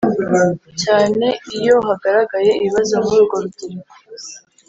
cyane iyo hagaragaye ibibazo muri urwo rugereko